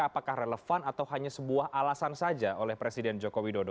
apakah relevan atau hanya sebuah alasan saja oleh presiden joko widodo